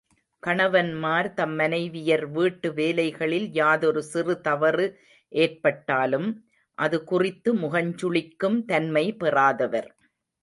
கணவன்மார் தம் மனைவியர் வீட்டு வேலைகளில் யாதொரு சிறு தவறு ஏற்பட்டாலும், அது குறித்து முகஞ்சுளிக்கும் தன்மை பெறாதவர்.